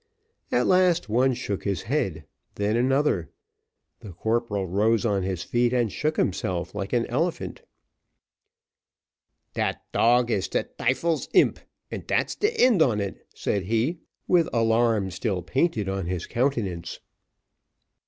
At last one shook his head then another. The corporal rose on his feet and shook himself like an elephant. "Dat tog is de tyfel's imp, and dat's de end on it," said he, with alarm still painted on his countenance.